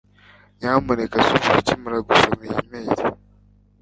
nyamuneka subiza ukimara gusoma iyi imeri